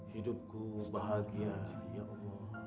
hidupku bahagia ya allah